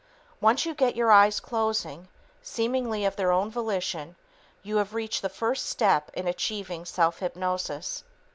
Once you get your eyes closing, seemingly of their own volition, you have reached the first step in achieving self hypnosis.